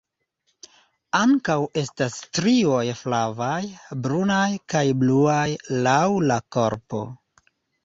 Ankaŭ estas strioj flavaj, brunaj kaj bluaj laŭ la korpo.